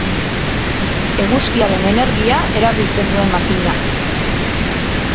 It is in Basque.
eguzkiaren energia erabiltzen duen makina